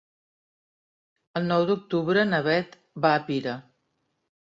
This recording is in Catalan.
El nou d'octubre na Beth va a Pira.